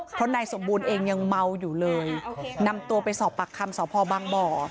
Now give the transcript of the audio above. เพราะนายสมบูรณ์เองยังเมาอยู่เลยนำตัวไปสอบปากคำสพบางบ่อ